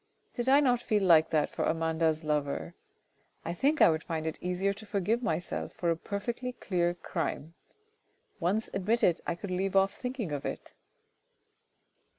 Did I not feel like that for Amanda's lover ! I think I would find it easier to forgive myself for a perfectly clear crime ; once admitted, I could leave off thinking of it.